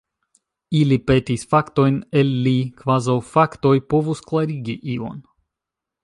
Ili petis faktojn el li, kvazaŭ faktoj povus klarigi ion!